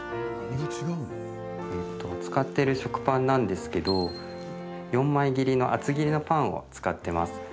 使っている食パンなんですけど４枚切りの厚切りのパンを使ってます。